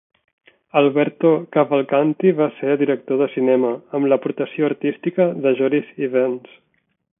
Alberto Cavalcanti va ser director de cinema, amb l'aportació artística de Joris Ivens.